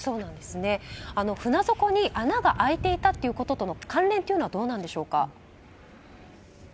船底に穴が開いていたこととの関連はどうなんでしょうか？